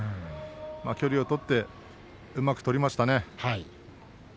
距離を取ってうまく取りましたね。